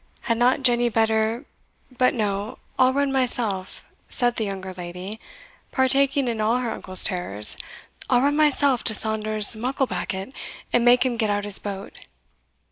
"Had not Jenny better but no, I'll run myself," said the younger lady, partaking in all her uncle's terrors "I'll run myself to Saunders Mucklebackit, and make him get out his boat."